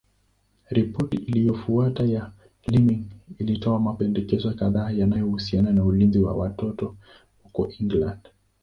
Ripoti iliyofuata ya Laming ilitoa mapendekezo kadhaa yanayohusiana na ulinzi wa watoto huko England.